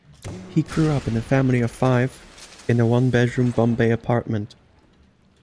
He grew up in a family of five, in a one bedroom Bombay apartment.